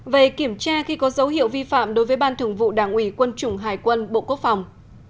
một về kiểm tra khi có dấu hiệu vi phạm đối với ban thường vụ đảng ủy quân chủng hải quân bộ quốc phòng